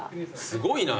すごいな。